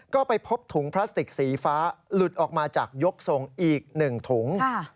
ก็ไปพบถุงพลาสติกสีฟ้าหลุดออกมาจากยกทรงอีก๑ถุง